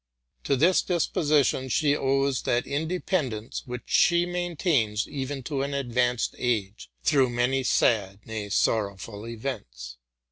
'To this disposition she owes that independ ence which she maintains even to an advanced age, through many sad, nay, sorrowful, events.